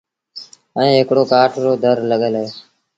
ائيٚݩ هڪڙو ڪآٺ رو در لڳل اهي۔